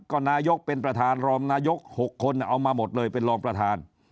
ก็นายกเป็นประธานรองนายก๖คนเอามาหมดเลยเป็นรองประธาน